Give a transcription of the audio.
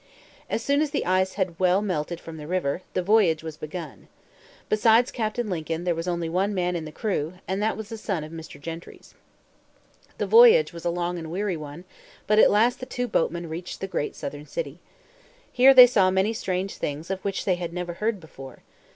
As soon as the ice had well melted from the river, the voyage was begun. Besides Captain Lincoln there was only one man in the crew, and that was a son of Mr. Gentry's. The voyage was a long and weary one, but at last the two boatmen reached the great southern city. Here they saw many strange things of which they had never heard before.